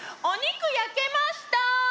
お肉焼けましたー！